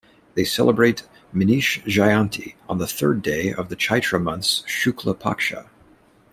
They celebrate Meenesh Jayanti on the third day of the Chaitra month's Shukla paksha.